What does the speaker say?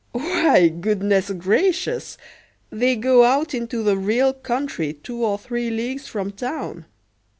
Why, goodness gracious! they go out into the real country two or three leagues from town.